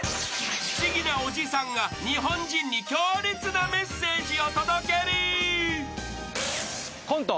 ［不思議なおじさんが日本人に強烈なメッセージを届ける］